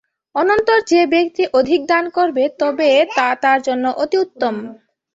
অনন্তর যে ব্যক্তি অধিক দান করবে তবে তা তার জন্য অতি উত্তম।